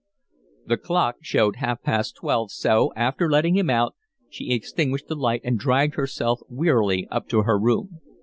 The clock showed half past twelve, so, after letting him out, she extinguished the light and dragged herself wearily up to her room.